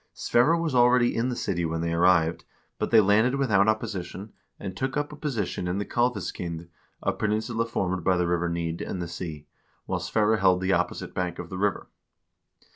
Sverre was already in the city when they arrived, but they landed without opposition, and took up a position on the Kalveskind, a peninsula formed by the river Nid and the sea, while Sverre held the opposite bank of the river.